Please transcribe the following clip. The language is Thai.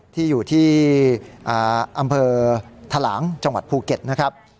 ที่อยู่ที่อำเภอทะหลางจังหวัดภูเก็ตนะครับ